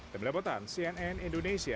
demi labotan cnn indonesia